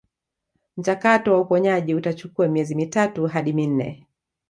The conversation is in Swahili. Mchakato wa uponyaji utachukua miezi mitatu hadi minne